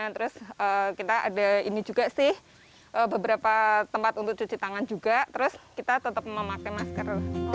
terus kita ada ini juga sih beberapa tempat untuk cuci tangan juga terus kita tetap memakai masker